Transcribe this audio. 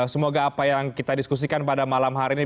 semoga apa yang kita diskusikan pada malam hari ini